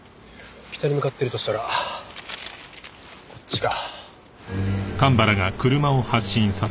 北に向かってるとしたらこっちか。